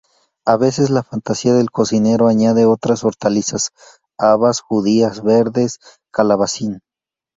A veces la fantasía del cocinero añade otras hortalizas: habas, judías verdes, calabacín.